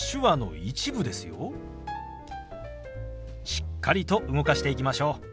しっかりと動かしていきましょう。